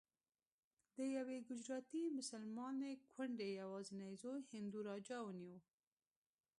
د یوې ګجراتي مسلمانې کونډې یوازینی زوی هندو راجا ونیو.